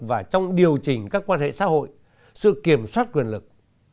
và trong điều chỉnh các quan hệ xã hội sự kiểm soát quyền lực